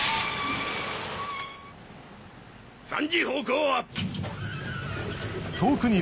３時方向！